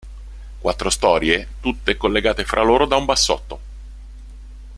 Quattro storie, tutte collegate fra loro da un bassotto.